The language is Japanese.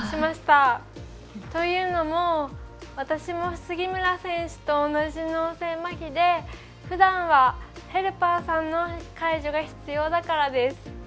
というのも私も杉村選手と同じ脳性まひでふだんは、ヘルパーさんの介助が必要だからです。